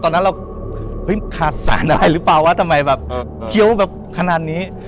ตอนนั้นเราเฮ้ยขาดสารอะไรหรือเปล่าวะทำไมแบบเคี้ยวแบบขนาดนี้